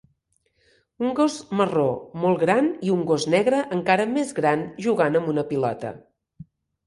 Un gos marró molt gran i un gos negre encara més gran jugant amb una pilota.